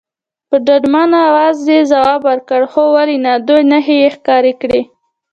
په ډاډمن اواز یې ځواب ورکړ، هو ولې نه، دوې نښې یې ښکاره کړې.